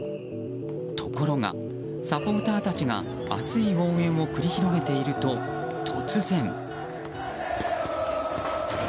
ところが、サポーターたちが熱い応援を繰り広げていると突然。